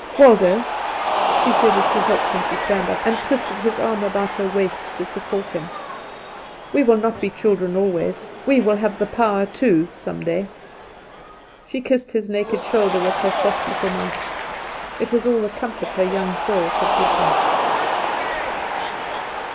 "Waldo," she said, as she helped him to stand up, and twisted his arm about her waist to support him, "we will not be children always; we shall have the power, too, some day." She kissed his naked shoulder with her soft little mouth. It was all the comfort her young soul could give him.